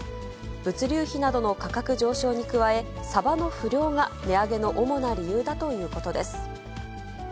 物流費などの価格上昇に加え、サバの不漁が値上げの主な理由だということです。